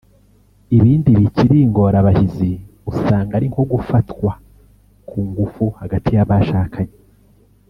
Ibindi bikiri ingorabahizi usanga ari nko gufatwa ku ngufu hagati y’abashakanye